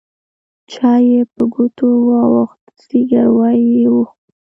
چای يې په ګوتو واوښت زګيروی يې وخوت.